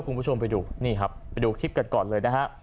คุณผู้ชมไปดูนี่ครับไปดูคลิปกันก่อนเลยนะฮะ